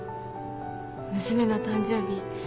娘の誕生日